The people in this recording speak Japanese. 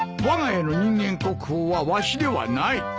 わが家の人間国宝はわしではない。